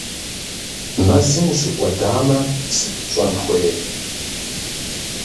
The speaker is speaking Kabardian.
Мэзым ущыкӏуэдамэ, сыт пщӏэн хуейр?